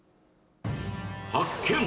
発見！